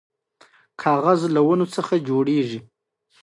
کاغذ له ونو څخه جوړیږي